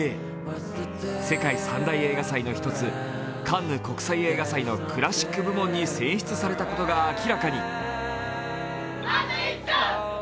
世界３大映画祭の一つ、カンヌ国際映画祭のクラシック部門に選出されたことが明らかに。